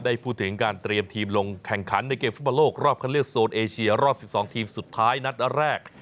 ได้พูดถึงการเตรียมทีมลงแข่งขันในเกมฟุตบอลโลกรอบคันเลือกโซนเอเชียรอบ๑๒ทีมสุดท้ายนัดแรก